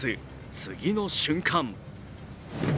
次の瞬間。